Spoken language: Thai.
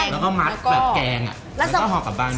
แล้วก็มักแกงแล้วก็ห่อกับบั้ง